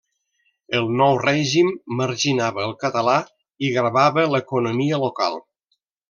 El nou règim marginava el català i gravava l'economia local.